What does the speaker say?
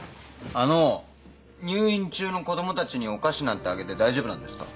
あの入院中の子供たちにお菓子なんてあげて大丈夫なんですか？